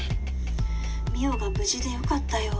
「望緒が無事でよかったよ」